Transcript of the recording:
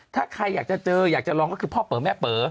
ถ้าใครอยากจะเจออยากจะลองก็คือพ่อเป๋อแม่เป๋อ